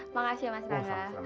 makasih ya mas serangga